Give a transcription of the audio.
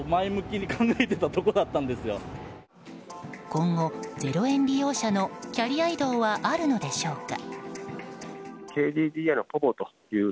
今後０円利用者のキャリア移動はあるのでしょうか。